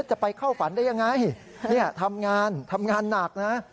จะไปเข้าฝันได้ยังไงเนี่ยทำงานทำงานหนักนะ